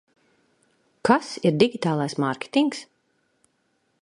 Kas ir digitālais mārketings?